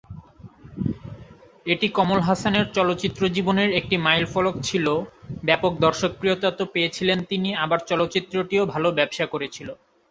এটি কমল হাসানের চলচ্চিত্র জীবনের একটি মাইলফলক ছিলো, ব্যাপক দর্শকপ্রিয়তা তো পেয়েছিলেন তিনি আবার চলচ্চিত্রটিও ভালো ব্যবসা করেছিলো।